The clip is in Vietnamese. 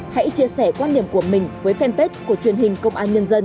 hãy chia sẻ quan điểm của mình với fanpage của truyền hình công an nhân dân